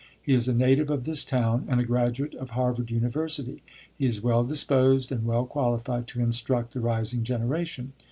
He is a native of this town, and a graduate of Harvard University. He is well disposed and well qualified to instruct the rising generation.